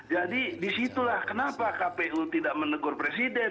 jadi disitulah kenapa kpu tidak menegur presiden